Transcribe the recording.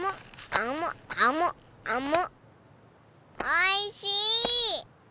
おいしい！